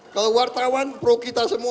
ke wartawan pro kita semua